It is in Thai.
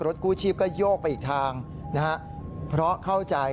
กู้ชีพก็โยกไปอีกทางนะฮะเพราะเข้าใจ